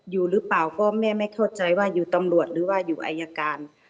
อยู่หรือเปล่าก็แม่ไม่เข้าใจว่าอยู่ตำรวจหรือว่าอยู่อายการ